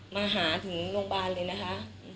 มาหาถึงโรงพยาบาลเลยนะคะ